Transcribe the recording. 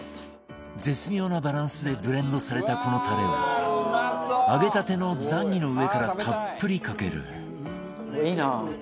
絶妙なバランスでブレンドされたこのタレを揚げたてのザンギの上からたっぷりかける